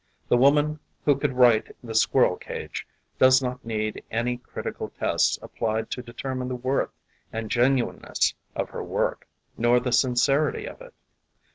The woman who could write The Squirrel Cage does not need any critical tests applied to determine the worth and genuineness of her work, nor the sincerity of it.